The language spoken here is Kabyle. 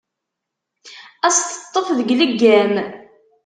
Ad as-teṭṭef deg leggam.